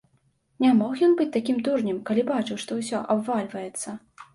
Не мог ён быць такім дурнем, калі бачыў, што ўсё абвальваецца.